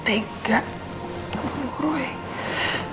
ada orang yang tega